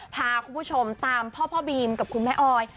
พาคุณผู้ชมตามพ่อพ่อบีมกับคุณแม่ออย